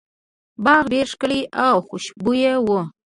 باغ ډیر ښکلی او خوشبويه و.